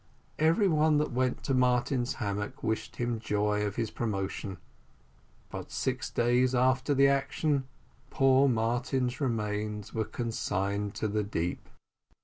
Every one that went to Martin's hammock wished him joy of his promotion; but six days after the action poor Martin's remains were consigned to the deep.